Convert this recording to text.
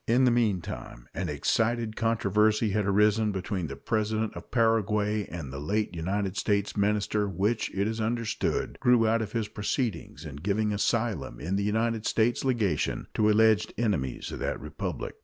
In the meantime an excited controversy had arisen between the President of Paraguay and the late United States minister, which, it is understood, grew out of his proceedings in giving asylum in the United States legation to alleged enemies of that Republic.